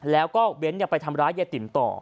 แล้วก็เบ้นไปทำร้ายยายติ๋มต่อ